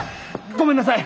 ごめんなさい！